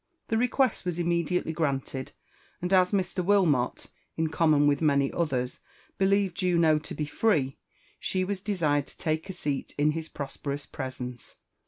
The request was immediately granted, and as Mr. Wilmot, in com mon with many others, believed Juno to be free, she was desired to take a seat in his pros|>erous. presence.